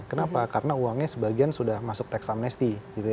kenapa karena uangnya sebagian sudah masuk tekst amnesti